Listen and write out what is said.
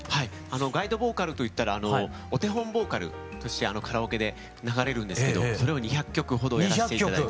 ガイドボーカルといったらお手本ボーカルとしてカラオケで流れるんですけどそれを２００曲ほどやらせて頂いて。